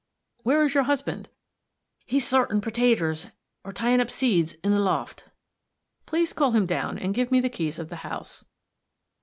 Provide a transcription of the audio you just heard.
"Where is your husband?" "He's sortin' pertaters, or tyin' up seeds, in the loft." "Please call him down, and give me the keys of the house."